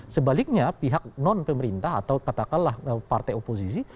sebaliknya pihak non pemerintah atau katakanlah partai oposisi